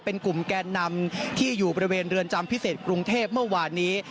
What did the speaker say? เป็นกลุ่มแกนนำที่อยู่บริเวณเรือนจำพิเศษกรุงเทพเมื่อวานนี้